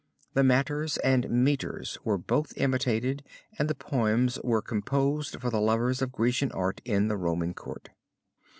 The matter and meters were both imitated and the poems were composed for the lovers of Grecian art in the Roman Court.